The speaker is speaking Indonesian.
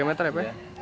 hampir tiga meter ya pak